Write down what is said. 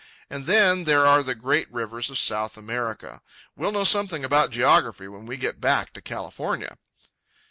And then there are the great rivers of South America. We'll know something about geography when we get back to California.